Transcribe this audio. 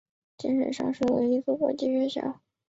今日上述校扯为一所国际学校。